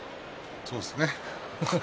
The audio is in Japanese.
そうですね